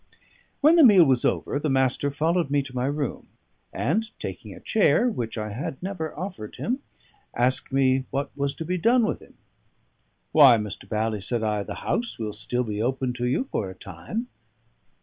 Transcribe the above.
When the meal was over, the Master followed me to my room, and, taking a chair (which I had never offered him), asked me what was to be done with him. "Why, Mr. Bally," said I, "the house will still be open to you for a time."